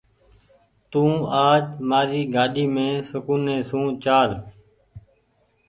تو آج مآري گآڏي مين سڪونيٚ سون چآل۔